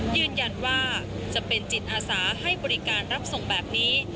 ยืนยันว่าจะเป็นจิตอาสาให้บริการรับส่งแบบนี้